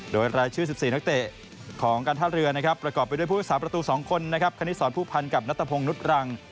โดยรายชื่อ๑๔นักเตะของการท่าเรือนะครับประกอบไปด้วยผู้รักษาประตู๒คนนะครับคณิตสอนผู้พันธ์กับนัทพงศ์นุษย์รัง